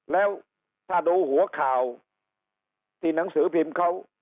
แล้วถ้าดูหัวข่าวที่หนังสือพิมพ์เขา